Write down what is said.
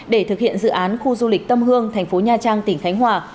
để thực hiện dự án khu du lịch tâm hương tp nha trang tỉnh khánh hòa